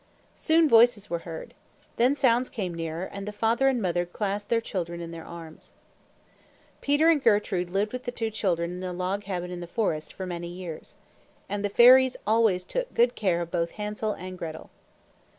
Soon voices were heard. The sounds came nearer, and the father and mother clasped their children in their arms. Peter and Gertrude lived with the two children in the log cabin in the forest, for many happy years. And the fairies always took good care of both Hansel and Gretel.